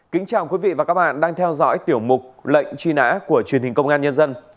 kính chào quý vị và các bạn đang theo dõi tiểu mục lệnh truy nã của truyền hình công an nhân dân